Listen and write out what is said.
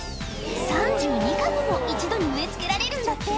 ３２株も１度に植え付けられるんだって。